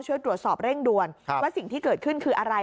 ช่วยตรวจสอบเร่งด่วนว่าสิ่งที่เกิดขึ้นคืออะไร